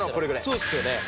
そうっすよね。